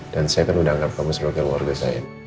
dan saya kan udah anggap kamu sebagai warga saya